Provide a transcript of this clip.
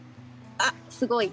あっすごい。